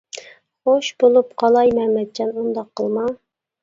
-خۇش بولۇپ قالاي مەمەتجان، ئۇنداق قىلماڭ!